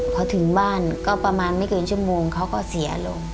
พอถึงบ้านก็ประมาณไม่เกินชั่วโมงเขาก็เสียลง